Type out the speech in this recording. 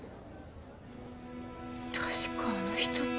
確かあの人って。